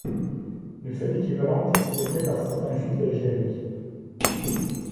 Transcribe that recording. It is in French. Une fête équivalente est célébrée par certains Juifs d'Algérie.